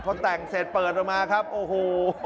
พอแต่งเสร็จเปิดออกมาครับโอ้โห